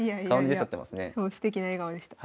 すてきな笑顔でした。